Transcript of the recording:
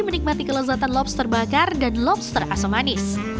menikmati kelezatan lobster bakar dan lobster asam manis